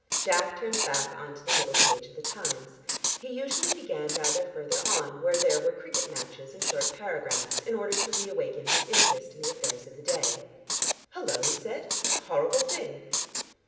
Jack turned back on to the middle page of the Times. He usually began rather further on where there were cricket matches and short paragraphs, in order to reawaken his interest in the affairs of the day. "Hullo!" he said. "What a horrible thing!"